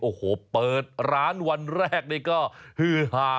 โอ้โหเปิดร้านวันแรกนี่ก็ฮือหา